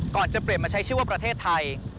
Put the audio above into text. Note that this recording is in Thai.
ก่อนจะเปลี่ยนมาใช้ชื่อว่าประเทศไทย